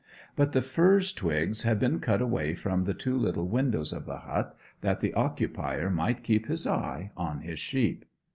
But the furze twigs had been cut away from the two little windows of the hut, that the occupier might keep his eye on his sheep.